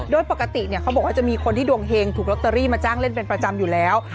โดยปกติเขาบอกว่าจะมีคนที่ดวงเฮงถูกลอตเตอรี่มาจ้างเล่นเป็นประจำอยู่แล้ว